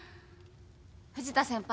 藤田先輩